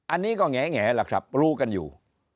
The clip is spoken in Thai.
อันนี้ก็แงล่ะครับรู้กันอยู่